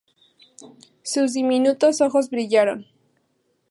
Sus diminutos ojos brillaron.